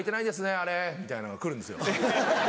あれみたいのが来るんですよ。